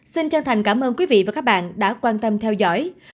xin chân thành cảm ơn quý vị và các bạn đã quan tâm theo dõi